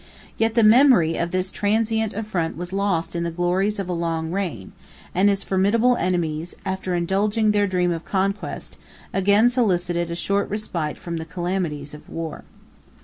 611 Yet the memory of this transient affront was lost in the glories of a long reign; and his formidable enemies, after indulging their dream of conquest, again solicited a short respite from the calamities of war.